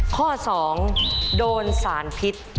ข้อ๒โดนสารพิษ